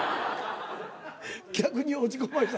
逆に落ち込ませた。